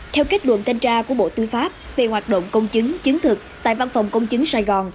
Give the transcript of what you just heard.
theo kết luận thanh tra của bộ tư pháp về hoạt động công chứng chứng thực tại văn phòng công chứng sài gòn